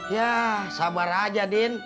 ya sabar aja ndin